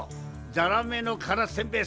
ザラメのカラスせんべい